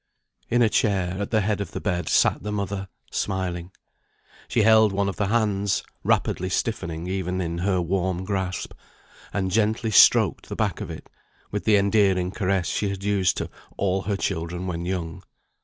In a chair, at the head of the bed, sat the mother, smiling. She held one of the hands (rapidly stiffening, even in her warm grasp), and gently stroked the back of it, with the endearing caress she had used to all her children when young.